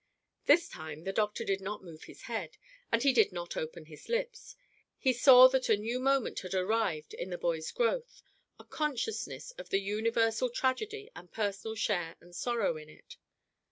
_" This time the doctor did not move his head, and he did not open his lips. He saw that a new moment had arrived in the boy's growth a consciousness of the universal tragedy and personal share and sorrow in it.